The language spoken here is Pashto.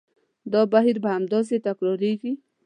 دا بهیر به همداسې تکرارېږي.